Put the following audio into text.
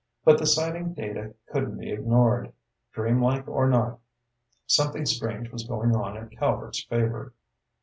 But the sighting data couldn't be ignored. Dreamlike or not, something strange was going on at Calvert's Favor.